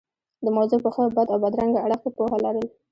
د موضوع په ښه، بد او بدرنګه اړخ کې پوهه لرل.